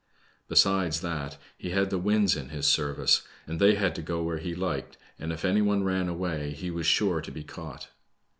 Besides that, he had the winds in his service, and they had to go where he hked, and, if any one ran away he was sure to be caught.